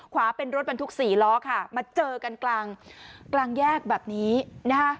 ขวาเป็นรถบรรทุกสี่ล้อค่ะมาเจอกันกลางกลางแยกแบบนี้นะคะ